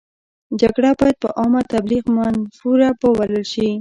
جګړه باید په عامه تبلیغ منفوره وبلل شي.